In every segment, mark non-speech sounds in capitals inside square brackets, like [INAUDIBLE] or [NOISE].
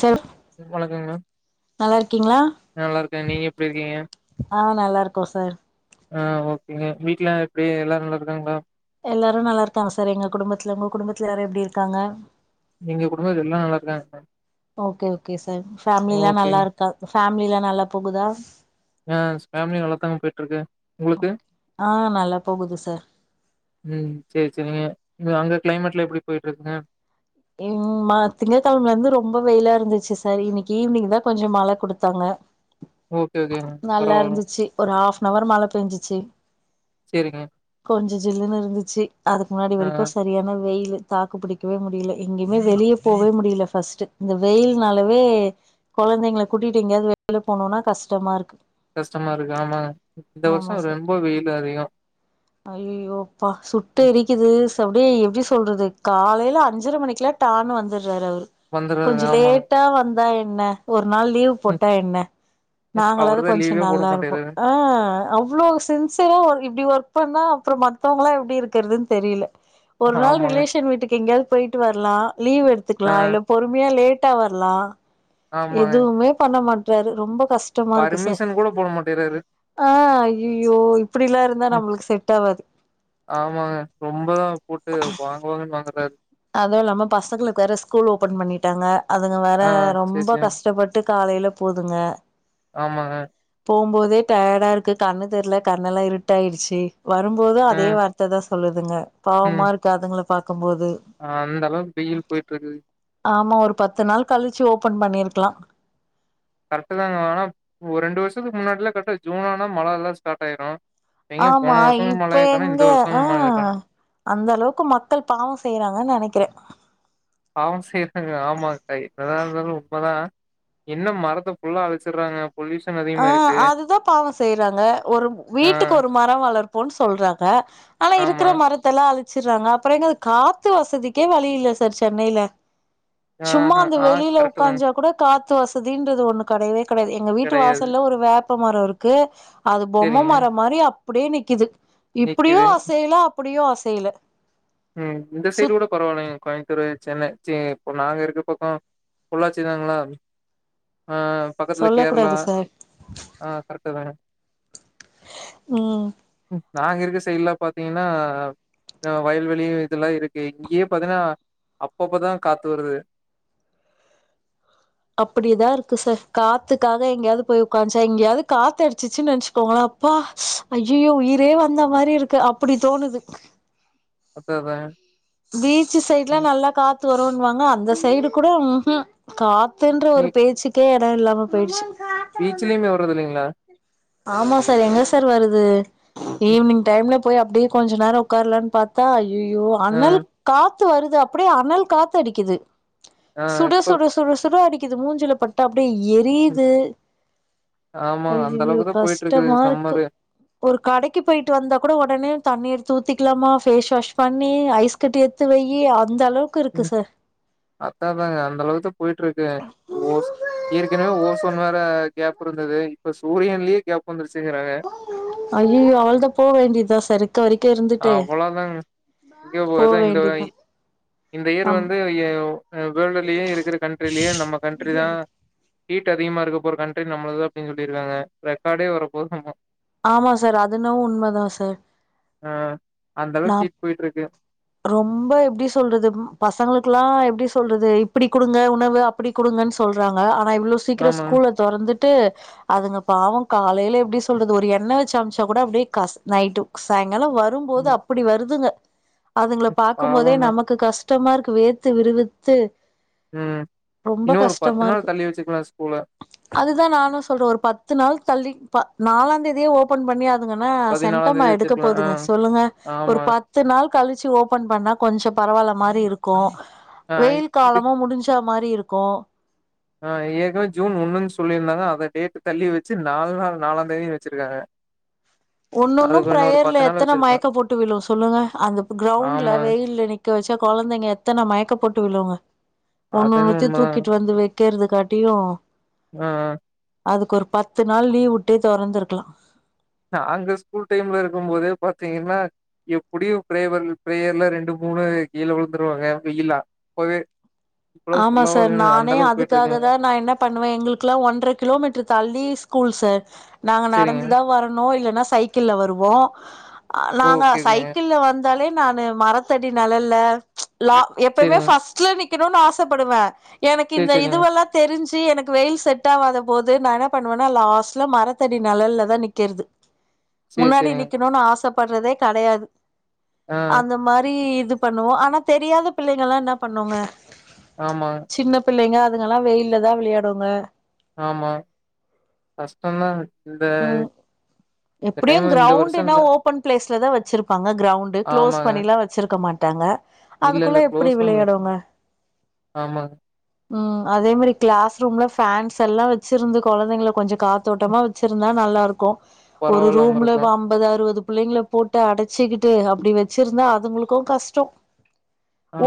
Sir வணக்கங் ma'am நல்லா இருக்கீங்களா நல்லாருக்கே நீங்க எப்டி இருக்கீங்க ஆ நல்லாருக்கோ சார் ஆ ஓகேங்க வீட்ல எப்டி எல்லாரு நல்லாருக்காங்ளா எல்லாரு நல்லாருக்காங்க சார் எங்க குடும்பத்துல உங்க குடும்பத்துல எல்லாரு எப்டி இருக்காங்க எங்க குடும்பத்துல எல்லா நல்லாருக்காங்க மேம் ஓகே ஓகே சார் ஃபேம்லிலா ஓகேங்க நல்லாருக்கா ஃபேம்லிலா நல்லா போகுதா எஸ் ஃபேமிலி நல்லத்தாங்க போய்ட்ருக்கு உங்ளுக்கு ஓகே. ஆ நல்லா போகுது சார் ம் சேர் சேர் [UNINTELLIGIBLE] இது அங்க கிளைமேட்ல எப்டி போயிட்ருக்குங்க ம்ம திங்ககெழமைலந்து ரொம்ப வெயிலா இருந்துச்சு சார் இன்னிக்கி ஈவ்னிங் தா கொஞ்சொ மழ குடுத்தாங்க ஓகே ஓகேங்க நல்லா பரவால்ல. இருந்துச்சு ஒரு ஹாஃப்ன்வர் மழ பேஞ்சிச்சு செரிங்க கொஞ்சோ ஜில்லுன்னு இருந்துச்சு அதுக்கு முன்னாடி ஆ வரைக்கூ சரியான வெயிலுக்கு தாக்கு பிடிக்கவே முடியல எங்கமே வெளிய போவே முடியல ஃபஸ்டு இந்த வெயில்னாலவே கொழந்தைங்கள கூட்டிட்டு எங்கயாவது வெள்ல போனோன்னா கஷ்டமா இருக்கு கஷ்டமா இருக்கு ஆமா இந்த ஆமா வருஷோ ரொம்ப வெயில் அதிகோ அய்யய்யோ பா‌ சுட்டு ம் எரிக்குது சுடு எப்டி சொல்றது காலைல அஞ்சர மணிக் சேட்டான் வந்துர்றாரு அவர் வந்துர்றாரு கொஞ்ச ஆமாங்க. லேட்டா வந்தா என்ன ஒரு நாள் லீவ் ம் போட்டா என்ன நாங்களாது அவருதா கொஞ்ச லீவே போட நல்லா இருப்போ மாட்டேங்றாரு. ஆ அவ்ளோ சின்சியரா ஒர் இப்டி ஒர்க் பண்ணோ அப்பறோ மத்தவங்களா எப்டி இருக்கறதுன் தெரியல ஒரு நாள் ஆமாங்க. ரிலேஷன் வீட்டுக்கு எங்கயாது போயிட்டு வர்லா லீவ் ஆ எடுத்துக்கலா இல்ல பொறுமையா லேட்டா வர்லா ஆமாங்க. எதுவுமே பண்ண மாட்றாரு ரொம்ப கஷ் டமா இருக்கு ச பர்மிஷன் கூட போட மாட்டேங்றாரு. ஆ அய்யயோ இப்டிலா இருந்தா ம் நம்மளுக்கு செட் ஆவாது ஆமாங்க ரொம்பதா போட்டு வாங்கு வாங்குன் வாங்குதார் அதுவு இல்லாம பசங்களுக்கு வேற ஸ்கூல் ஓப்பன் பண்ணிட்டாங்க அதுங்க வேற ஆ சரி, ரொம்ப சரிங்க. கஷ்டப்பட் டு காலைல போதுங்க ஆமாங்க போவும்போதே டயடா இருக்கு கண்ணு தெர்ல கண்ணெல்லா இருட்டாயிடுச்சு வரும்போதூ அதே ம், வார் த்ததா சொல்லுதுங்க பாவமா இருக்கு அதுங்கள பாக்கம் போது ஆ அந்த அளவு வெயில் போயிட்ருக்கு ஆமா ஒரு பத்து நாள் கழிச்சு ஓப்பன் பண்ணிருக்கலா கரெக்ட்டுதாங்க ஆனா ஒ ரெண்டு வருஷத்துக்கு முன்னாட்லா கரெக்டா ஜூன் ஆனா மழ எல்லா ஸ்டாட் ஆயிடூ ஆமா இப்ப எங்க ஆ வருஷமும் மழைய காணோம். அந்த அளவுக்கு மக்கள் பாவோ செய்றாங்க நெனக்கிறே பாவோ செய்றாங்க ஆமா அக்கா என்ன தா இருந்தாலு உண்மதா என்ன மரத்த ஃபுல்லா அழிச்சிட்றாங்க பொல்யூஷன் அதி ஆ அதுதா பாவோ செய்றாங்க ஒரு ஆ, வீட்டுக்கு ஒரு மரோ வளர்ப்போன் சொல்றாங்க ஆனா ஆமா. இருக்ற மரத் த்தெல்லா அழிச்சர்றாங்க அப்பறோ எங்க அது காத்து வசதிக்கே வழி இல்ல சார் சென்னைல ஆஹ, சும்மா அந்த ஆ வெளியில கரெக்ட் தாங்க. உக்காஞ்சா கூட காத்து வசதின்றது ஒண்ணு கடையவே கடையாது எங்க வீட்டு கிடையாது. வாசல்ல ஒரு வேப்ப மரோ இருக்கு அது பொம்ம சரிங்க. மர மாரி அப்டியே நிக்குது இப்டியு நிக்குது. அசையல அப்டியு அசையல ம் இந்த சைடு சுத் கூட பரவால்லைங்க கோயந்தூரு சென்ன சே இப்ப நாங்க இருக்க பக்கோ பொள்ளாச்சி தானுங்களா ஆ பக்கத்துல சொல்ல கேர்ளா கூடாது சார் ஆ கரெக்ட்டு தான ம் ம் நாங்க இருக்க சைட்லா பாத்தீங்கனா வயல்வெளியு இதுலா இருக்கு இங்கயு பாத்தீனா அப்பப்பதா காத்து வருது அப்டிதா இருக்கு சார் காத்துக்காக எங்கயாவது போய் உக்காஞ்சா எங்கயாவது காத்து அடிச்சிச்சு வசுக்கோங்கள பா அய்யயோ உயிரே வந்த மாரி இருக்கு அப்புடி தோணுது ஒத்துக்கிர்றே பீச் சைடு்ல்லா நல்லா காத்து வருன்னுவாங்க அந்த சைடு கூட காத்துன்ற ஒரு ம் பேச்சுக்கே எடோ இல்லாம போயிர்ச்சு பீச்சுலயுமே வரது இல்லைங்களா ஆமா சார் எங்க சார் வருது? ம். ஈவினிங் டைம்ல போய் அப்டியே கொஞ்சோ நேரம் உக்காரலான்னு பாத்தா ஐய்யயோ ஆ அனல் காத்து வருது அப்டியே அனல் காத்து அடிக்குது. ஆ சுட இப்ப சுட சுட சுட அடிக்குது மூஞ்சுல பட்டு அப்டியே எரியுது ஆமா அந்த அய்யயோ அளவுக்கு தா போயிட்டு இருக்குது கஷ்டமா இருக்கு சம்மரு ஒரு கடைக்கு போயிட்டு வந்தா கூட உடனே தண்ணிய எடுத்து ஊத்திக்கலாமா பேஸ் வாஷ் பண்ணி ஐஸ் கிட்ட எடுத்து வய்யி அந்தளவுக்கு ம் அத்தாதாங்க அந்த அளவுக்கு போயிட்டு இருக்கேன் ஓஸ் ஏற்கனவே ஓசோன் வேற கேப் இருந்தது இப்ப சூரியன்லயே கேப் வந்துருச்சுங்றாங்க. அய்யயோ அவளதான் போக வேண்டியதான் சாரு. [UNINTELLIGIBLE] இருந்து அவ்ளோதாங்க இங்க போகாத இங்க வை வேண்டியதா இந்த இயர் ஆம் வந்து யோ அ வேர்ல்டுலயே இருக்கிற கண்ட்ரிலயே நம்ம கண்ட்ரிதான் ஹீட் அதிகமா இருக்க போற கண்ட்ரி நம்மளது தா அப்டின்னு சொல்லியிருக்காங்க ரெக்கார்டே வர போது ஆமா ஆமா சார் அது என்னவோ உண்மை தான் சார். ஆ அந்த நா அளவுக்கு ஹீட் போயிட்டுருக்கு ரொம்ப எப்டி சொல்றது பசங்களுக்குல்லாம் எப்டி சொல்றது இப்படி கொடுங்க உணவு அப்டி குடுங்கன்னு சொல்றாங்க ஆனா இவ்வளவு சீக்கிரம் ஆமா ஸ்கூல்ல தொறந்துட்டு அதுங்க பாவம் காலையில எப்டி சொல்றது ஒரு எண்ணெய் வச்சு அனுப்ச்சாகூட அப்டியே கஸ் நைட்டு சாயங்காலம் வரும்போது ம் அப்டி வருதுங்க அதுங்கள பாக்கும்போதே பாவந்தா நமக்கு கஷ் டமாருக்கு வேத்து விருவித்து ம் இன்னும் ஒரு பத்து நாள் தள்ளி வச்சுருக்கலாம் ஸ்கூல. அதுதான் நானும் சொல்றேன் ஒரு பத்து நாள் தள்ளி ப நாலாம் தேதியே ஓபன் பண்ணியா ங்கன்னா பதினாலாந் சென்ட்டமா தேதி எடுக்க வச்சிருக்கலா ஆ போதுங்க சொல்லுங்க? ஒரு ஆமா பத்து நாள் கழிச்சு ஓபன் பண்ணா கொஞ்சம் பரவாயில்ல மாரி இருக்கும் ஆ வெயில் இது காலமும் முடிஞ்சா மாரி இருக்கும் ஆ ஏற்கனவே ஜூன் ஒண்ணுன்னு சொல்லியிருந்தாங்க அந்த டேட் தள்ளி வச்சு நாலு நாள் நாலாம் தேதி வச்சிருக்காங்க ஒன்னொன்னும் அதுக்கு இன்னொரு பிரயர்ல பத்து நாள் எத்தனை வச்சிருக்கலா மயக்கம் போட்டு விழும் சொல்லுங்க அந்த கிரௌண்ட்ல ஆமா வெயில்ல நிக் வச்சா கொழந்தைங்க எத்தனை மயக்க போட்டு விழுங்க அது என்னமோ ஒன்னுன்னுத்தி உண்மதாங்க தூக்கிட்டு வந்து வ வக்கிறத காட்டியும் ஆ ஆ அதுக்கு ஒரு பத்து நாள் லீவ் வுட்டே தொறந்துருக்கலாம். நாங்க ஸ்கூல் டைம்லருக்கும் போதே பாத்தீங்கன்னா எப்டியும் பிரேவர் பிரேயர்ல ரெண்டு மூணு கீழே விழுந்துருவாங்க வெயிலா அப்போவே ஆமா சார் நானே போயிட்டு அதுக்காக இருக்குங்க தான் நான் என்ன பண்ணுவேன் எங்களுக்குல்லாம் ஒன்றரை கிலோமீட்டர் தள்ளியே ஸ்கூல் சார். நாங்க செரிங்க நடந்துதான் வரணும் இல்லன்னா சைக்கிள்ள வருவோம் நாங்க ஓகேங்க சைக்கிள்ள வந்து த்தாலே நானு மரத்தடி நெழல்ல லா எப்பவுமே செரிங்க பஸ்ட்ல நிக்கணும்னு ஆச சபடுவேன் எனக்கு சேரி இந்த செரிங்க இதுவெல்லாம். தெரிஞ்சி எனக்கு வெயில் செட் ஆவாத போது நான் என்ன பண்ணுவேன்னா லாஸ்ட்ல மரத்தடி நெழல்ல தான் நிக்கிறது சேரி முன்னாடி செரிங்க நிக்கணும்னு ஆசைப்பட்றதே கடையாது ஆ அந்த மாரி இது பண்ணுவோம் ஆனா தெரியாத பிள்ளைங்கலாம் என்ன பண்ணுங்க ஆமா சின்ன பிள்ளைங்க அதுங்கல்லா வெயில்ல தா விளாடுங்க ஆமா கஷ்டதா இந்த ம் இந்த எப்டியு டைம் இந்த வருஷம் கிரௌண்ட்னா இல்ல ஓ ஓப்பன் பிளேஸ்ல தா வச்சுருப்பாங்க க்ரௌண்டு க்ளோஸ் ஆமாங்க பண்ணிலா வச்சுருக்க மாட்டாங்க இல்ல அதுக்குள்ள இல்ல எப்டி க்ளோஸ் நம்மளுக்கு விளாடுவாங்க ஆமாங்க ம் அதே மாரி கிளாஸ் ரூம்ல ஃபேன்ஸலா வச்சிருந்து கொழந்தைங்கள கொஞ்சோ காத்தோட்டமா வச்சிருந்தா நல்லாருக்கு ஒரு பரவால்லாம ரூம்ல இருக்கு அம் பது அறுபது புள்ளைங்கள போட்டு அடைச்சிக்கிட்டு அப்டி வச்சிருந்தா அதுங்களுக்கு கஸ்ட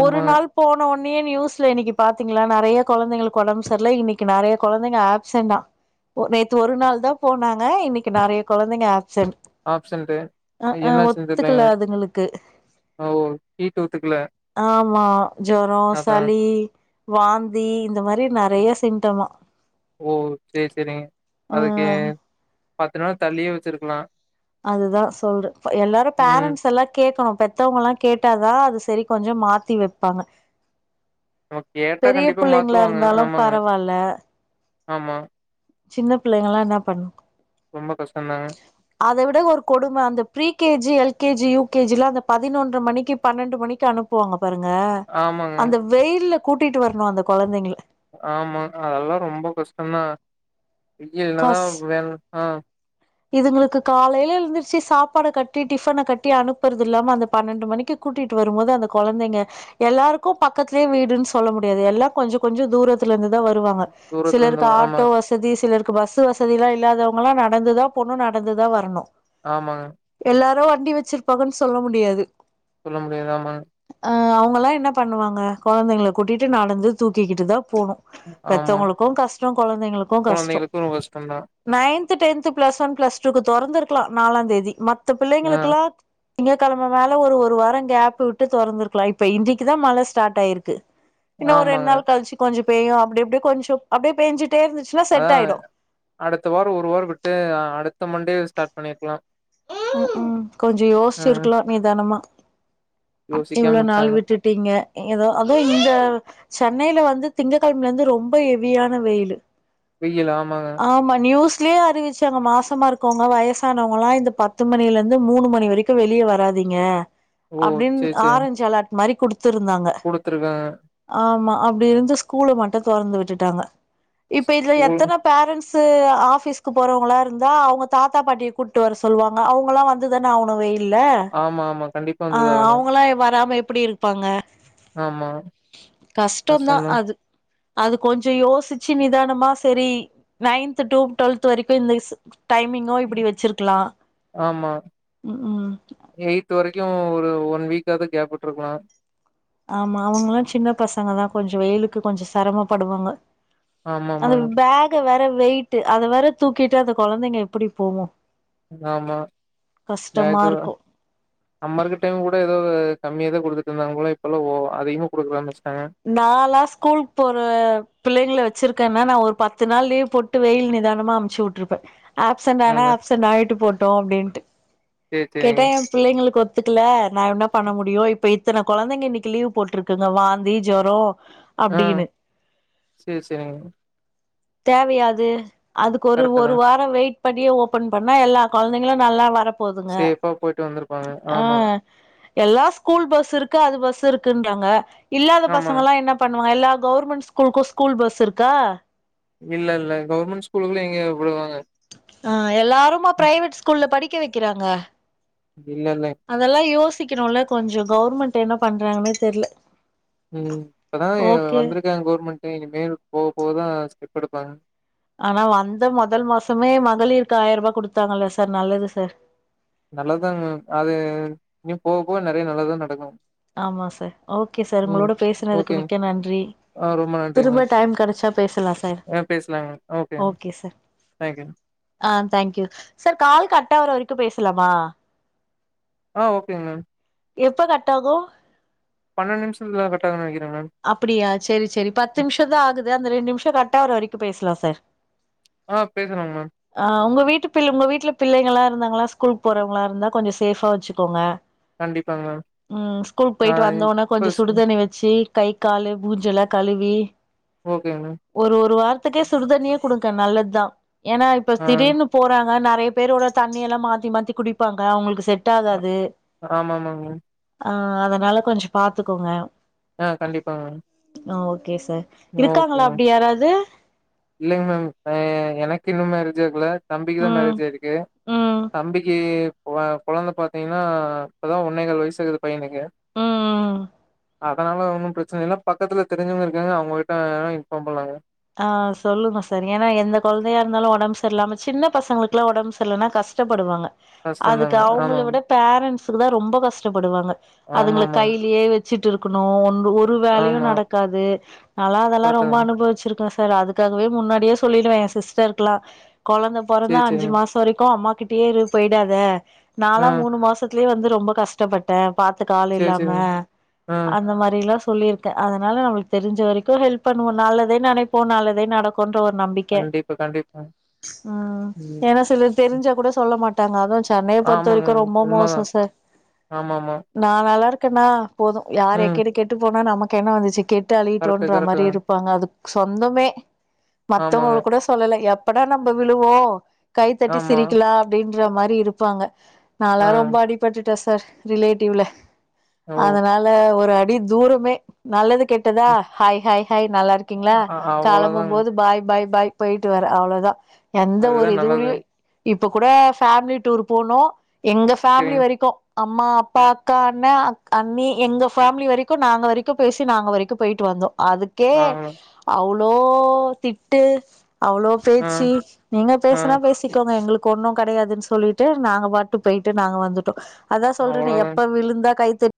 ஒரு நாள் போன ஒன்னயே நியூஸ்ல இன்னிக்கு பாத்தீங்களா நெறய கொழந்தைங்களுக்கு ஒடம்பு சர்ல இன்னைக்கு நெறய கொழந்தைங்க ஆப்சென்டா நேத்து ஒரு நாள் தா போனாங்க இன்னைக்கு நெறய கொழந்தைங்க ஆப்சன்ட் ஆப்சன்ட்டு அங்க என்னாச்சுன் தெர்ல அதுங்களுக்கு ஓ ஹீட் ஒத்துக்ல ஆமா ஜொர சளி வாந்தி இந்த மாரி நெறைய சிம்டமா ஓ சேரி சேரிங்க ஆ அதுக்கு பத்து நாள் தள்ளியே வச்சிருக்கலா அதுதா சொல்ற எல்லாரு ம் பேரண்ட்ஸ் எல்லா கேக்கணு பெத்தவங்கலா கேட்டாதா அது சரி கொஞ்சோ மாத்தி வப்பாங்க நம்ம கேட்டா பெரிய கண்டிப்பா புள்ளைங்களா மாத்துவாங்க இருந்தாலு ஆமாங்க. பரவால்ல ஆமா சின்ன பிள்ளைங்கலா என்னா பண்ணு ரொம்ப கஷ்டதாங்க அத விட ஒரு கொடும அந்த pre KG L KG U KG அந்த பதினொன்ற மணிக்கு பன்னெண்டு மணிக்கு அனுப் ப்புவாங்க பாருங்க ஆமாங்க. அந்த வெயில்ல கூட்டிட்டு வரணு அந்த கொழந்தைங்கள ஆமா அதெல்லா ரொம்ப கஷ்டதா வெயில்லதா கஸ் வேன் ஆ இதுங்களுக்கு காலைல எழுந்துச்சு சாப்பாட கட்டி டிஃபனை கட்டி அனுப்றது இல்லாம அந்த பன்னெண்டு மணிக்கு கூட்டிட்டு வரும்போது அந்த கொழந்தைங்க எல்லாருக்கு பக்கத்லயே வீடுன் சொல்ல முடியாது எல்லா கொஞ்சோ கொஞ்சோ தூரத் தில இருந்து தா வருவாங்க தூரத்துல இருந்து சிலருக்கு வரு ஆட்டோ ஆமாங்க, வசதி சிலருக்கு பஸ் வசதில்லா இல்லாதவங்கலா நடந்துதா போனு நடந்துதா வரனு ஆமாங்க எல்லாரு வண்டி வச்சிருப்பாங்கன் சொல்ல முடியாது சொல்ல முடியாது ஆமா அ அவங்கல்லா என்ன பண்ணுவாங்க கொழந்தைங்கள கூட்டிட்டு நடந்து தூக்கிக்கிட்டு தா போணு ஆமா. பெத்தவங்களுக்கு கஷ்ட கொழந்தைங்களுக்கு கஷ்ட குழந்தைகளுக்கு ரொம்ப கஷ்டந்தா. Ninth tenth plus one plus டூக்கு தொறந்துருக்கலா நாலா தேதி மத்த ஆ பிள்ளைங்களுக்குலா திங்க்கிழமை மேல ஒரு ஒரு வார கேப் விட்டு தொறந்திருக்கலா இப்ப இன்னிக்கு தா மழ ஸ்டார்ட் ஆயிருக்கு இன்னும் ஒரு ரெண்டு ஆமாங்க. நாள் கழிச்சு கொஞ்சோ பெய்யு அப்டி அப்டியே கொஞ்சோ அப்டியே பெய்ஞ்சுட்டே இருந்துச்சு அ அடுத்த வார ஒரு வார விட்டு அடுத்த மண்டே ஸ்டார்ட் பண்ணிருக்லா ம் கொஞ்சோ ம் யோஸ்ச்சிருக்கலா நிதனமா இவ்ளோ யோசிக்காம நாள் விட்டாங்க. விட்டுட் ட்டீங்க எதோ அது இந்த சென்னைல வந்து திங்க்கழமைல இருந்து ரொம்ப ஹெவியான வெயிலு வெயில் ஆமாங்க ஆமா நியூஸ்லயே அறிவிச்சாங்க மாசமா இருக்கவங்க வயசானவங்கலா இந்த பத்து மணிலருந்து மூணு மணி வரைக்கும் வெளிய வராதிங்க ஓ! அப்டின் ஆரஞ்ச் அலர்ட் மாரி குடுத்துருந்தாங்க குடுத்துருவே ஆமா அப்டி இருந்து ஸ்கூல மட்டும் தொறந்து விட்டுட்டாங்க இப்ப இதுல ஓ எத்தனை பேரண்ட்ஸ்சு ஆபிஸ்க்கு போறவங்களா இருந்தா அவங்க தாத்தா பாட்டியை கூப்பட்டு வர சொல்லுவாங்க அவங்கலாம் வந்துதானே அவனும் வெயில்ல ஆமா, ஆமா. கண்டிப்பா ஆ வந்ததாகணு. அவங்களாம் வராம எப்டி இருப் ப்பாங்க ஆமா கஷ்டம் தான் கஷ்டந்தா. அது அது கொஞ்சம் யோசிச்சு நிதானமா செரி நைன்த் டூ டுவெல்த் வரைக்கும் இந்த டைமிங்கோ இப்டி வச்சிருக்கலாம் ஆமா எயித் வரைக்கும் ஒரு ஒன் வீக்காவது கேப்புவிட்டுருக்கலாம் ஆமா அவங்கல்லாம் சின்ன பசங்க தான் கொஞ்சம் வெயிலுக்கு கொஞ்சம் சிரமப்படுவாங்க ஆமா ஆமாங்க அதுங்கபேக்வேற வெயிட்டு அதை வேற தூக்கிட்டு அத கொழந்தைங்க எப்டி போமோ ஆமா பேக்கு இருக்கு நம்ம இருக்க டைம் கூட ஏதோது கம்மிய தான் கொடுத்துட்டு இருந்தாங்கங்களோ இப்பல்லாம் அதிகமாகொடுக்க ஆரம்பிச்சிட்டாங்க நாளா ஸ்கூலு போற புள்ளைங்கள வச்சிருக்கே மேம் நான் ஒரு பத்து நாள் லீவ் போட் டு வெயில் நிதானமா அமுச்சு விட்டுருப்பேன் ஆப்சன்ட் ஆனா ஆமா ஆப்சன்ட் ஆகிட்டு போட்டோம் அப்டின்ட்டு சேரி சேரிங்க கேட்டேன் புள்ளைங்களுக்கு ஒத்துக்கல நான் என்ன பண்ண முடியும் இப்ப இத்தனை கொழந்தைங்க இன்னைக்கு லீவ் போட்டிருக்குங்க வாந்தி ஜுரம் ஆ செரி செரிங்க தேவையாது அதுக்கு ஒரு கரெக்ட்டு தா ஒரு வாரம் வெயிட் பண்ணி ஓபன் பண்ணா எல்லா கொழந்தைங்களும் நல்லா வரப்போதுங்க சேஃபா போயிட்டு வந்திருப்பாங்க ஆ ஆமா எல்லா ஸ்கூல் பஸ் இருக்கு அது பஸ் இருக்குன்றாங்க இல்லாத பச ஆமாங்க ங்க என்ன பண்ணுவாங்க எல்லா கவர்மெண்ட் ஸ்கூலுக்கும் ஸ்கூல் பஸ் இருக்கா இல்ல இல்ல கவர்மெண்ட் ஸ்கூலும் எங்க விடுவாங்க ஆ எல்லாருமா பிரைவேட் ஸ்கூல்ல படிக்க வைக்கிறாங்க இல்லண்ணே அதெல்லாம் யோசிக்கணும்ல கொஞ்சம் கவர்மெண்ட் என்ன பண்றாங்கன்னே தெரில ம் இப்பதான் வந்திருக்காங்க கவுர்மெண்ட் இனி மேல போக போகதான் ஸ்டெப் எடுப்பாங்க ஆனா வந்த முதல் மாசமே மகளிருக்கு ஆயிரரூபா குடுத்தாங்கல்ல சார் நல்லது சார் நல்லது தாங் மேம் அது இனி போக போக நெறைய நல்லதான் நடக்கும் ஆமா சார் ஓகே சார் உங்களோட பேசுனதுக்கு ஓகேங்க மிக்க நன்றி ஆ ரொம்ப நன்றிங்க திரும்ப டைம் கெடச்சா பேசலாம் சார் ஓகே சார் தேங்க்யூ ஆ தேங்க்யூ சார் கால் கட் ஆகற வர வரைக்கும் பேசலாமா ஆ ஓகேங்க எப்ப கட் ஆகும் பன்னெண்டு நிமிஷத்துல கட்டாகும்னு நெனக்கிறேன் மேம் அப்டியா செரி செரி பத்து நிமிஷம் தான் ஆகுது அந்த ரெண்டு நிமிஷம் கட் ஆகுற வரைக்கும் பேசலாம் சார் ஆ பேசலாம் மேம் ஆ உங்க வீட்டு பி உங்க வீட்ல பிள்ளைங்களா இருந்தாங்கனா ஸ்கூல் போறவங்களா இருந்தா கொஞ்சம் சேஃபா வச்சுக்கோங்க கண்டிப்பாங்க மேம் ம் ஸ்கூலு ஆ போயிட்டு வந்த உடனே இப்ப கொஞ்சம் ஸ் சுடுதண்ணி வச்சு கை கால் மூஞ்சில்லாம் கழுவி ஓகேங்க மேம் ஒரு ஒரு வாரத்துக்கே சுடுதண்ணியே கொடுங்க நல்லதுதான் ஏன்னா இப்ப ஆ திடீர்னு போறாங்க நெறைய பேரோட தண்ணியெல்லா மாத்தி மாத்தி குடிப்பாங்க அவ்ங்களுக்கு செட் ட்டாகாது ஆமா ஆமாங்க மேம் ஆ அதனால கொஞ்ச பாத்துக்கோங்க ஆ கண்டிப்பாங்க ஆ ஓகே சார் ஆ ஓகே இருக்காங்களா மேம் அப்டி யாராவது இல்லைங்க மேம் இப்ப எனக்கு இன்னு மேரேஜ் ஆகல தம்பிக்கு தா ம் மேரேஜ் ஆயிருக்கு ம் தம்பிக்கி இவ கொழந்த பாத்தீங்கனா இப்பதா ஒன்னேகால் வயசாகுது பையனுக்கு ம் ம் அதனால ஒன்னு பிரச்சன இல்ல பக்கத்துல தெரிஞ்சவ்ங்க இருக்காங்க அவுங்ககிட்ட இன்ஃபார்ம் பண்ணலாங்க ஆ சொல்லுங்க சார் ஏனா எந்த கொழந்தயா இருந்தாலு ஒடம்பு செரியில்லாம சின்ன பசங்களுக்குலா ஒடம்பு செரியில்லனா கஷ் டப்படுவாங்க அதுக்கு கஷ்டந்தாங்க அவுங்கள ஆமாங்க விட பேரண்ட்ஸுக்கு தா ரொம்ப கஷ்டப்படுவாங்க ஆமா அதுங்கள ஆமாங்க கைலயே வச்சுட்ருக்கணு ஒன்று ஒரு ஒரு ஆமாமாங்க. வேலையு ஆமா நடக்காது நாலா அதெல்லா கரெக்ட்டு ரொம்ப தாங்க அனுபவிச்சு ருக்கே சார் அதுக்காகவே முன்னாடியே சொல்லிடுவே எ சிஸ்டருக்குலா கொழந்த பொறந்தா சேரி அஞ்சு சேரிங்க. மாச வரைக்கு அம்மா கிட்டயே இரு போயிடாத ஆ நாலா மூணு மாசத்துலே வந்து ரொம்ப கஷ்ட டப்பட்டே பாத்துக்க ஆள் சேரி இல்லாம சேரிங்க. ஆ அந்த மாரிலா சொ சொல்லிருக்கே அதனால நம்மளுக்கு தெரிஞ்ச வரைக்கு ஹெல்ப் பண்ணுவோ நல்லதே நெனைப்போ நல்லதே நடக்குன்ற ஒரு நம்பிக்க கே கண்டிப்பா, கண்டிப்பா. ம் ஏனா சிலர் தெரிஞ்சா கூட சொல்ல மாட் ட்டாங்க அதுவு சென்னைய பொறுத்த ஆமாங்க. வரைக்கு ரொம்ப மோசோ உண்மதான். சார் ஆமாமா. நா நல்லா இருக்கனா போது யார் ம். எக்கேடு கெட்டு போனா நமக்கு என்ன வந்துச்சு கெட்டு கரெக்ட்டு, அழியட்டுன்ற கரெக்ட்டு மாரி தாங்க. இருப் ப்பாங்க அது சொந்தமே ஆமாங்க. மத்தவுங்கல கூட சொல்லல எப்படா நம்ப விழுவோ கைத்தட்டி ஆமா. சிரிக்கலா அப்டின்ற மாரி இருப்பாங்க ஆ. நாலா ரொம்ப அடிப் பட்டுட்டே சார் ரிலேட்டிவ்ல ஓ! அதனால ஒரு அட் டி தூரமே நல்லது கெட்டதா ம். ஹாய் ஹாய் ஹாய் நல்லா இருக்கீங்ளா அ கெளம்பும் அவ்வளோதாங்க. போது பாய் பாய் பாய் போயிட்டு வரே அவ்ளோதா எந்த ஒரு அதுதான் நல்லது. இதுவுலயு இப்பக் கூட ஃபேம்லி டூர் போனோ எங்க ஃபேம்லி சரிங்க. வரைக்கு அம்மா அப்பா அக்கா அண்ண அக் அண்ணி எங்க ஃபேம்லி வரைக்கு நாங்க வரைக்கு பேசி நாங்க வரைக்குப் போயிட்டு வந்தோ அதுக்கே ஆ. அவ்ளோ திட்டு அவ்ளோ ஆ. பேச்சு நீங்க ஆ. பேசுனா பேசு சிக்கோங்க எங்களுக்கு ஒன்னு கெடையாதுன் சொல்லிட்டு நாங்க பாட்டு போயிட்டு நாங்க வந்துட்டோ அதா சொல்றனே அவ்வளோதாங்க. எப்ப விழுந்தா கைத்தட்